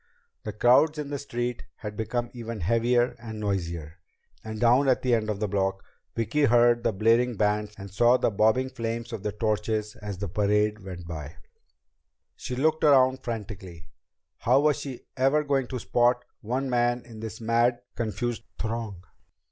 The crowds in the street had become even heavier and noisier, and down at the end of the block, Vicki heard the blaring bands and saw the bobbing flames of the torches as the parade went by. She looked around frantically. How was she ever going to spot one man in this mad, confused throng?